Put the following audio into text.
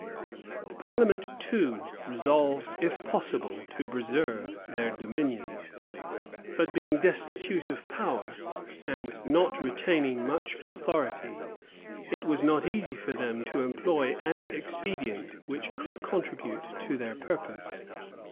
The parliament, too, resolved, if possible, to preserve their dominion; but being destitute of power; and not retaining much authority, it was not easy for them to employ any expedient which could contribute to their purpose.